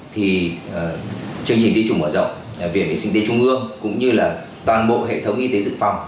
thì chương trình tiêm chủ mở rộng viện vệ sinh dịch tễ trung ương cũng như là toàn bộ hệ thống y tế dự phòng